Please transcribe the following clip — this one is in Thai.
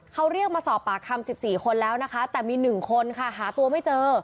เขาเรียกมาสอบปากคำ๑๔คนแล้วนะคะแต่มี๑คนค่ะหาตัวไม่เจอ